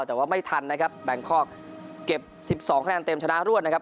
แต่ว่าไม่ทันนะครับแบงคอกเก็บ๑๒คะแนนเต็มชนะรวดนะครับ